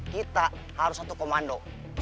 kita harus satu komando